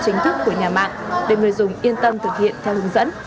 chính thức của nhà mạng để người dùng yên tâm thực hiện theo hướng dẫn